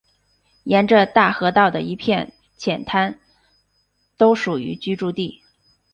沿着大河道的一片浅滩都属于居住地。